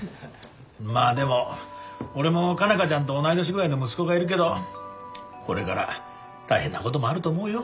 まあでも俺も佳奈花ちゃんと同い年ぐらいの息子がいるけどこれから大変なこともあると思うよ。